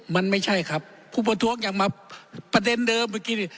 มันไม่ใช่ครับผู้ประท้วงยังมาประเด็นเดิมเมื่อกี้นี่